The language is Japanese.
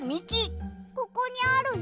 ここにあるよ。